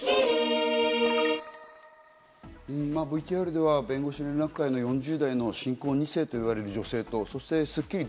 ＶＴＲでは弁護士連絡会の４０代の信仰二世と言われる女性と『スッキリ』